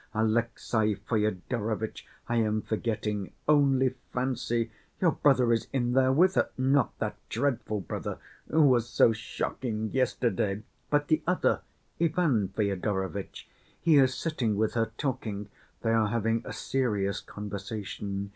Alexey Fyodorovitch, I am forgetting, only fancy; your brother is in there with her, not that dreadful brother who was so shocking yesterday, but the other, Ivan Fyodorovitch, he is sitting with her talking; they are having a serious conversation.